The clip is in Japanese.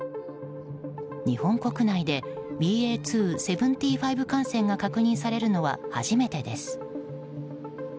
日本国内でＢＡ．２．７５感染が確認されるのは初めてです。